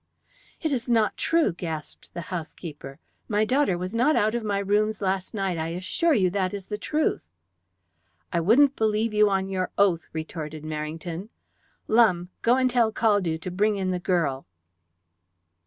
"It is not true," gasped the housekeeper. "My daughter was not out of my rooms last night, I assure you that is the truth." "I wouldn't believe you on your oath," retorted Merrington. "Lumbe, go and tell Caldew to bring in the girl."